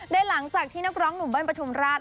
โดยหลังจากที่นักร้องหนุ่มเบิ้ลปฐุมราช